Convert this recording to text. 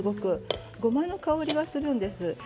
ごまの香りがするんです。